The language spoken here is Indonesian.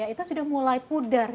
itu sudah mulai pudar